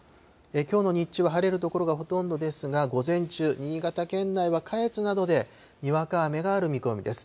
きょうの日中は晴れる所がほとんどですが、午前中、新潟県内は、下越などで、にわか雨がある見込みです。